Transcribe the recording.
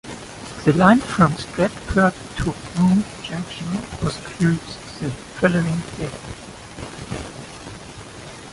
The line from Stratford to Broom Junction was closed the following day.